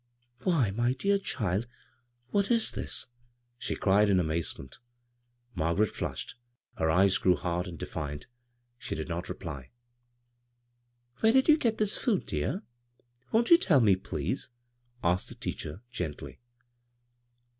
" Why, my dear child [ what is this ?" she cried in amazement. Margaret flushed. Her eyes grew hard and defiant She did not reply. 148 b, Google CROSS CURRENTS "Where did you get this food, dear? Won't you tell me, please?" asked the teacher, gently.